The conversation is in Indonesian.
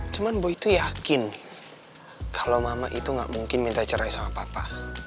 cuma bu itu yakin kalau mama itu gak mungkin minta cerai sama papa